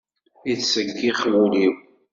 Yettseggix wul-iw.